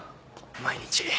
毎日。